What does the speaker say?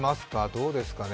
どうですかね。